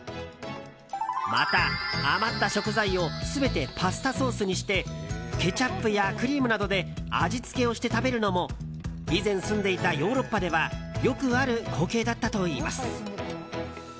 また、余った食材を全てパスタソースにしてケチャップやクリームなどで味付けをして食べるのも以前住んでいたヨーロッパではよくある光景だったといいます。